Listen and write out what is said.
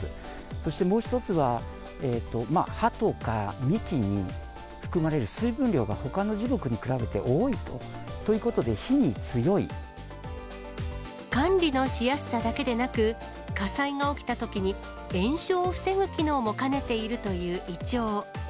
そしてもう一つは、葉とか幹に含まれる水分量がほかの樹木に比べて多いということで、管理のしやすさだけでなく、火災が起きたときに延焼を防ぐ機能も兼ねているというイチョウ。